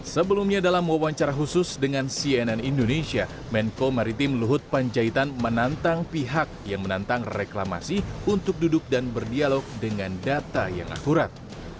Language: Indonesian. sebelumnya dalam wawancara khusus dengan cnn indonesia menko maritim luhut panjaitan menantang pihak yang menantang reklamasi untuk duduk dan berdialog dengan data yang akurat